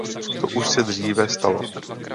To už se dříve stalo.